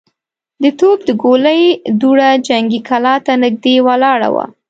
د توپ د ګولۍ دوړه جنګي کلا ته نږدې ولاړه وه.